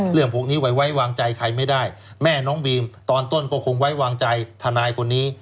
เรื่องพวกนี้ไว้วางใจใครไม่ได้แม่น้องบีมตอนต้นก็คงไว้วางใจทนายคนนี้